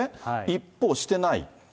一方、してない理由。